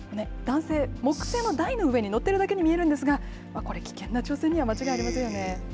男性、木製の台の上に乗っているだけに見えるんですが、これ、危険な挑戦には間違いありませんよね。